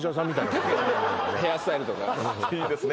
何かねヘアスタイルとかねいいですね